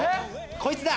こいつだ！